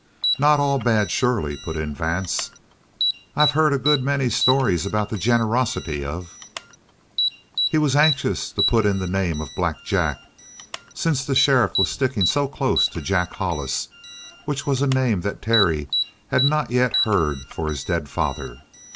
"Not all bad, surely," put in Vance. "I've heard a good many stories about the generosity of " He was anxious to put in the name of Black Jack, since the sheriff was sticking so close to "Jack Hollis," which was a name that Terry had not yet heard for his dead father.